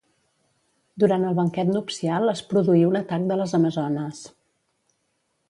Durant el banquet nupcial es produí un atac de les amazones.